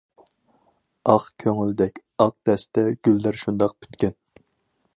ئاق كۆڭۈلدەك ئاق دەستە گۈللەر شۇنداق پۈتكەن.